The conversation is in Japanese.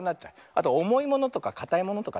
あとおもいものとかかたいものとか。